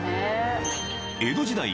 ［江戸時代